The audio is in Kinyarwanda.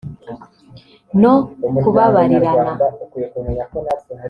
no kubabarirana